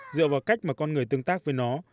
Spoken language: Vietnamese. dựa vào cách mà con người tương tác với nó